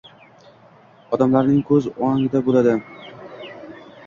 odamlarning ko‘z o‘ngida bo‘ladi.